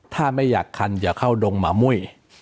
ถ้าไม่อยากคันอย่าเข้าดงหมามุ้ย